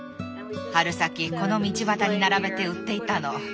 春先この道端に並べて売っていたの。